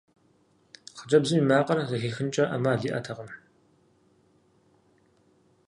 Хъыджэбзым и макъыр зэхихынкӀэ Ӏэмал иӀэтэкъым.